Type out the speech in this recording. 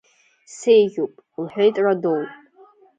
Сеиӷьуп, — лҳәеит Радоу.